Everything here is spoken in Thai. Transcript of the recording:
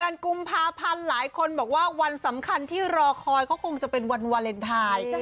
เดือนกุมภาพันธ์หลายคนบอกว่าวันสำคัญที่รอคอยเขาคงจะเป็นวันวาเลนไทย